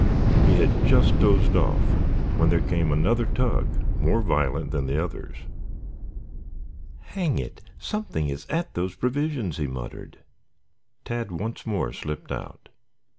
He had just dozed off when there came another tug more violent than the others. "Hang it! Something is at those provisions," he muttered. Tad once more slipped out.